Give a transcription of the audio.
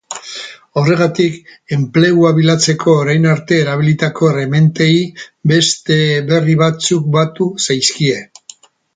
Horregatik, enplegua bilatzeko orain arte erabilitako erremintei beste berri batzuk batu zaizkie.